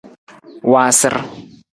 Waasar.